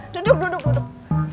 duduk duduk duduk